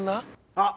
あっ！